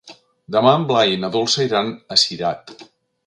Demà en Blai i na Dolça iran a Cirat.